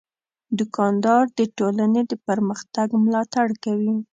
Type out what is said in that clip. دوکاندار د ټولنې د پرمختګ ملاتړ کوي.